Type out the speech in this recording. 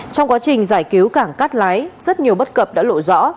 trong quá trình giải cứu cảng cát lái rất nhiều bất cập đã lộ rõ